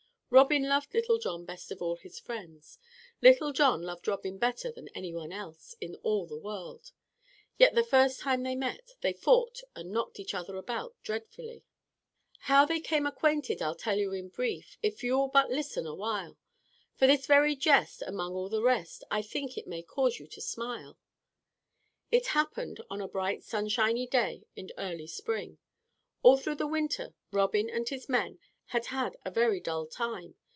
Robin loved Little John best of all his friends. Little John loved Robin better than any one else in all the world. Yet the first time they met they fought and knocked each other about dreadfully. "How they came acquainted, I'll tell you in brief, If you will but listen a while; For this very jest, among all the rest, I think it may cause you to smile." It happened on a bright sunshiny day in early spring. All through the winter Robin and his men had had a very dull time.